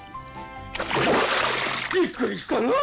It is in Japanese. びっくりしたな。